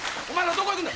どこ行くんだ？